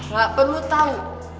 gak perlu tau